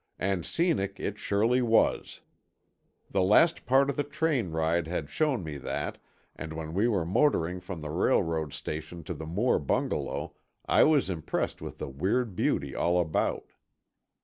And scenic it surely was. The last part of the train ride had shown me that, and when we were motoring from the railroad station to the Moore bungalow, I was impressed with the weird beauty all about.